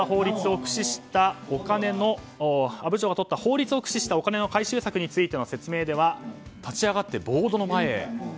阿武町がとった法律を駆使したお金の回収策についての説明では立ち上がってボードの前へ。